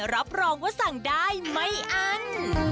รับรองว่าสั่งได้ไม่อัน